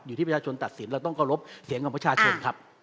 อยู่ที่ประชาชนตัดสินเราต้องเคารพเสียงของประชาชนครับ